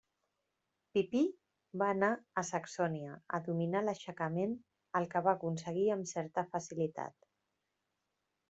Pipí va anar a Saxònia a dominar l'aixecament el que va aconseguir amb certa facilitat.